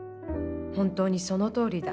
「本当にそのとおりだ。